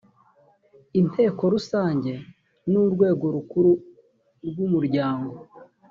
inteko rusange ni urwego rukuru rw umuryango